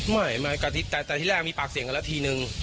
ไม่แต่ที่แรกมีปากเสียงกันแล้วทีนึง